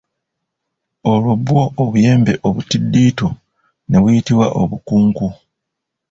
Olwo bwo obuyembe obutiddiitu ne buyitibwa obukunku.